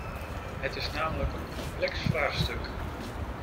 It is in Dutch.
Het is namelijk een complex vraagstuk.